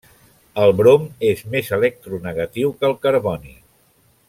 El brom és més electronegatiu que el carboni.